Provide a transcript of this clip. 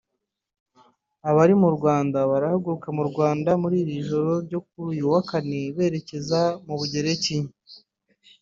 Abari mu Rwanda barahaguruka mu Rwanda mu ijoro ryo kuri uyu wa Kane berekeza mu Bugereki